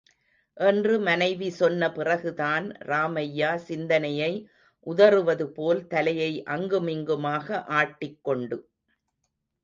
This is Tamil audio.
என்று மனைவி சொன்ன பிறகுதான், ராமையா சிந்தனையை உதறுவதுபோல், தலையை, அங்குமிங்குமாக ஆட்டி கொண்டு.